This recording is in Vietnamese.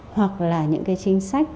hoặc là những cái chính sách